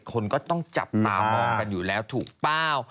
คนก็ต้องจับตามองกันอยู่แล้วถูกเปล่า